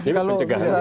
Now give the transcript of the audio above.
jadi itu pencegahan